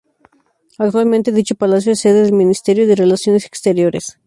Actualmente dicho palacio es sede del Ministerio de Relaciones Exteriores.